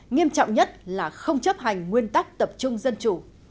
nghiêm trọng nhất là không chấp hành nguyên tắc tập trung dân chủ